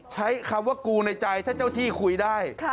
ใช้คำว่ากูในใจถ้าเจ้าที่คุยได้